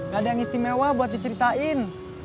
gak ada yang istimewa buat diceritain